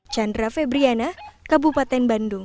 chandra febriana kabupaten bandung